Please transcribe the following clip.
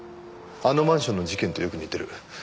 あのマンションの事件とよく似てる。